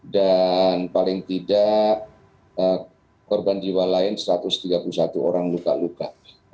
dan paling tidak korban jiwa lain satu ratus tiga puluh satu orang luka luka